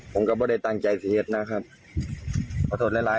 ผมก็ไม่ได้ตามใจใช่เหตุนะครับขอโทษแรกครับ